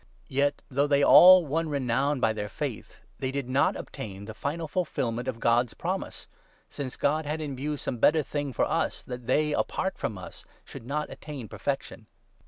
Yet, though they all won renown by their faith, they did 39 not obtain the final fulfilment of God's promise ; since God 40 had in view some better thing for us, that they, apart from us, should not attain perfection.